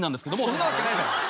そんなわけないだろう。